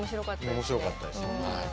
面白かったですはい。